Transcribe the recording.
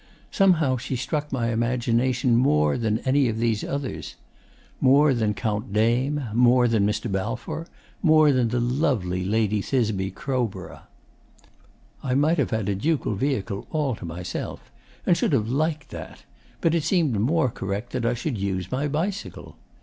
Somehow, she struck my imagination more than any of these others more than Count Deym, more than Mr. Balfour, more than the lovely Lady Thisbe Crowborough. 'I might have had a ducal vehicle all to myself, and should have liked that; but it seemed more correct that I should use my bicycle.